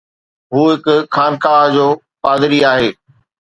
هو هڪ خانقاهه جو پادري آهي.